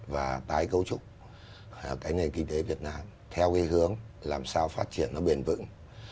và tái cấu trúc cái nền kinh tế việt nam theo cái hướng làm sao phát triển nó bền vững